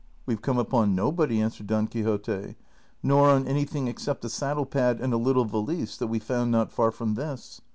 " We have come upon nobody," answered Don Quixote, " nor on anything except a saddle pad and a little valise that we found not far from this."